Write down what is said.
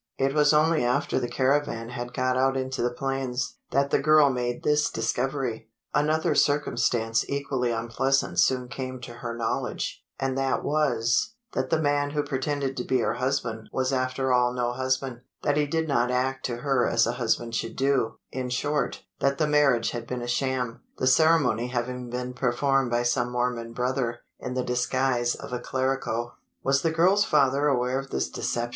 It was only after the caravan had got out into the plains, that the girl made this discovery. Another circumstance equally unpleasant soon came to her knowledge; and that was: that the man who pretended to be her husband was after all no husband that he did not act to her as a husband should do in short, that the marriage had been a sham the ceremony having been performed by some Mormon brother, in the disguise of a clerico!" "Was the girl's father aware of this deception!"